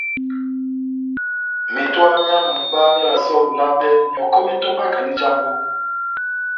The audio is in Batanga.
Metowa myá mumba melasɛ ó Lolabe, myɔkɔ metombaki já mbóka.